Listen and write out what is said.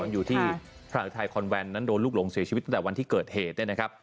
อยู่ที่พระอุทัยคอนแวนนั้นโดนลูกหลงเสียชีวิตตั้งแต่วันที่เกิดเหตุเนี่ยนะครับ